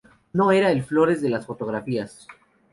No era el Flórez de las fotografías.